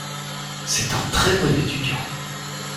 C’est un très bon étudiant.